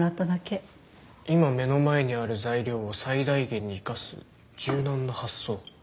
今目の前にある材料を最大限に生かす柔軟な発想。